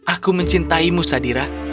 aku mencintaimu sadira